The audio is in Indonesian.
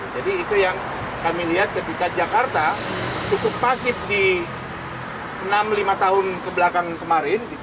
jadi itu yang kami lihat ketika jakarta cukup pasif di enam lima tahun kebelakangan kemarin